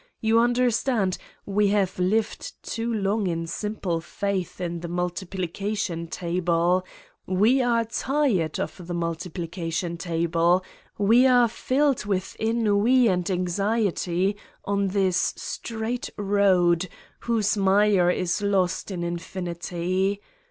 You understand : we have lived too long in simple faith in the multiplication table, we are tired of the multiplication table, we are filled with ennui and anxiety on this straight road whose mire is lost in infinity.